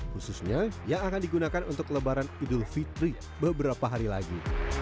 khususnya yang akan digunakan untuk lebaran idul fitri beberapa hari lagi